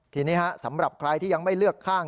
ทีนี้สำหรับใครที่ยังไม่เลือกข้าง